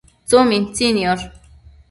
tsumintsi niosh